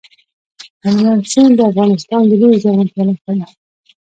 هلمند سیند د افغانستان د لویې زرغونتیا نښه ده.